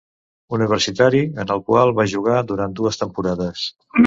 Universitari en el qual va jugar durant dues temporades.